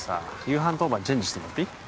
夕飯当番チェンジしてもらっていい？